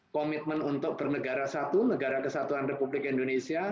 komitmen untuk bernegara satu negara kesatuan republik indonesia